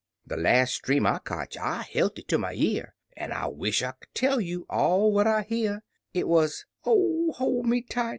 De las' Dream [ cotch I helt it ter my year. An' I wish 1 could tell you all what I hear — Itwuz, "Oh, hoi" me tight!